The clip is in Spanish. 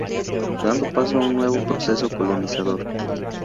Dando paso a un nuevo proceso colonizador.